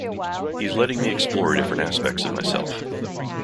He's letting me explore different aspects of myself.